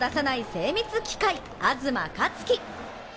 精密機械・東克樹。